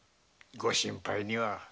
ご心配には。